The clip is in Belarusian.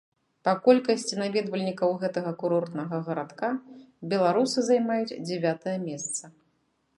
Па колькасці наведвальнікаў гэтага курортнага гарадка беларусы займаюць дзявятае месца.